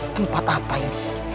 tempat apa ini